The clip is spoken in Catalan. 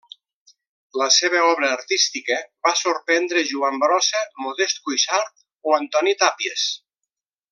La seva obra artística va sorprendre Joan Brossa, Modest Cuixart o Antoni Tàpies.